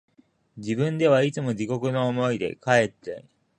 自分ではいつも地獄の思いで、かえって、